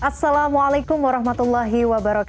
assalamualaikum wr wb